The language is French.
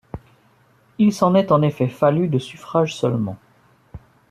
Il s'en est en effet fallu de suffrages seulement.